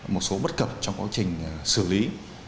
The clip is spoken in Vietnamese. một số bất cập trong quá trình xử lý